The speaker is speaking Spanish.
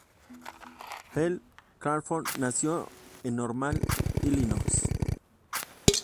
Ellen Crawford nació en Normal, Illinois.